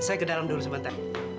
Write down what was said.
saya ke dalam dulu sebentar